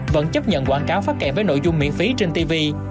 vẫn chấp nhận quảng cáo phát kèm với nội dung miễn phí trên tv